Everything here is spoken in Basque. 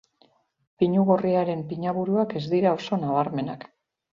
Pinu gorriaren pinaburuak ez dira oso nabarmenak.